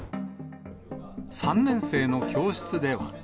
３年生の教室では。